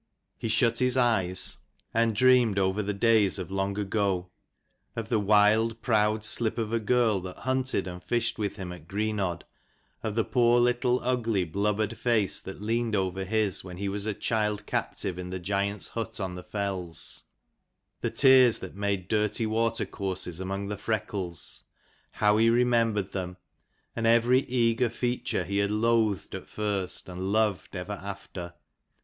He shut his eyes and 219 dreamed over the days of long ago : of the wild, proud slip of a girl that hunted and fished with him at Greenodd : of the poor little ugly, blubbered face that leaned over his, when he was a child captive in the giant's hut on the fells ; the tears that made dirty water courses among the freckles, how he remembered them, and every eager feature he had loathed at first and loved ever after.